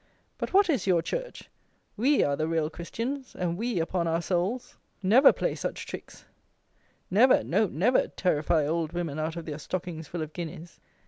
But what is your Church? We are the real Christians; and we, upon our souls, never play such tricks; never, no never, terrify old women out of their stockings full of guineas."